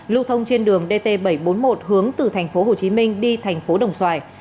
lưu thông trên đường dt bảy trăm bốn mươi một hướng từ thành phố hồ chí minh đi thành phố đồng xoài